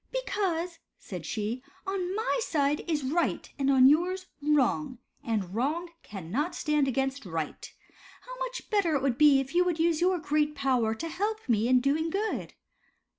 " Because," said she, " on my side is right, and on yours wrong, and wrong cannot stand against right. How much better it would be if you would use your great power to help me in doing good."